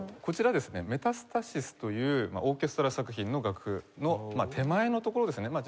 こちらですね『メタスタシス』というオーケストラ作品の楽譜のまあ手前のところですね。